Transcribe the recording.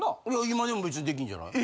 今でも別に出来んじゃない？